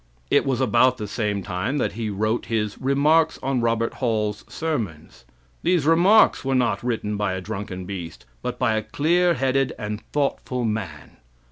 It was about the same time that he wrote his "Remarks on Robert Hall's Sermons." These "Remarks" were not written by a drunken beast, but by a clear headed and thoughtful man.